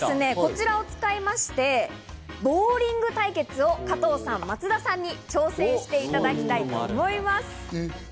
今日はこちらを使いまして、ボウリング対決を加藤さん、松田さんに挑戦していただきたいと思います。